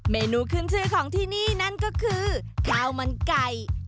เมนูขึ้นชื่อของที่นี่นั่นก็คือข้าวมันไก่